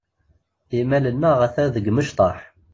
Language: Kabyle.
Imal-nneɣ ata deg imecṭaḥ.